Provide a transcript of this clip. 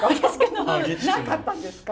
なかったんですか？